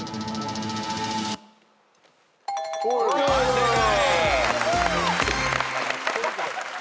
正解。